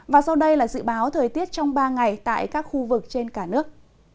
và sau đây là dự báo thời tiết trong ba ngày tại các khu vực trên cả nước